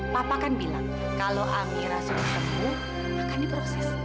papa kan bilang kalau amira sudah sembuh akan diproses